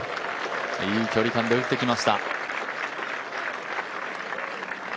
いい距離感で打ってきました。